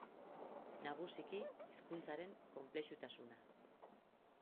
Nagusiki, hizkuntzaren konplexutasuna.